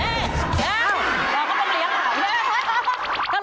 เราก็ไม่มีอย่างไรแล้ว